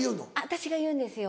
私が言うんですよ